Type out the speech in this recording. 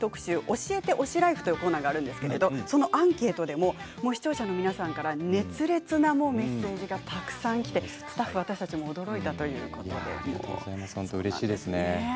「＃教えて推しライフ」という特集があるんですけどそのアンケートでも視聴者の皆さんから熱烈なメッセージがたくさんきて、スタッフ私たちも驚いたということです。